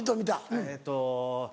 えっと。